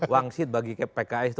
wangsit bagi pks itu